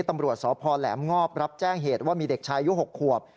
ตำรวจสพแหลมงอบรับแจ้งเหตุว่ามีเด็กชายอายุ๖ขวบ